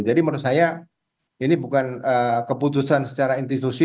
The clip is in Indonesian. jadi menurut saya ini bukan keputusan secara institusi